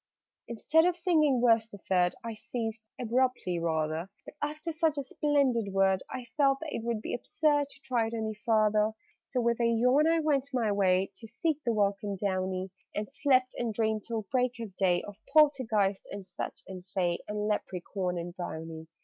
_' Instead of singing Verse the Third, I ceased abruptly, rather: But, after such a splendid word, I felt that it would be absurd To try it any farther. So with a yawn I went my way To seek the welcome downy, And slept, and dreamed till break of day Of Poltergeist and Fetch and Fay And Leprechaun and Brownie!